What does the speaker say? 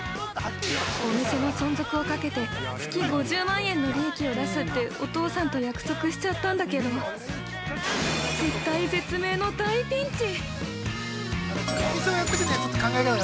お店の存続をかけて月５０万円の利益を出すってお父さんと約束しちゃったんだけど絶体絶命の大ピンチ！